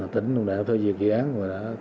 tỉnh đã thay việc dự án